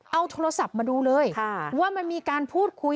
เอาโทรศัพท์มาดูเลยว่ามันมีการพูดคุย